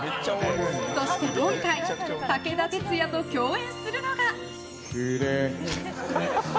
そして今回武田鉄矢と共演するのが。